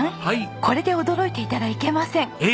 これで驚いていたらいけません。